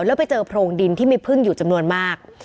แล้วไปเจอโพรงดินที่มีพึ่งอยู่จำนวนมาก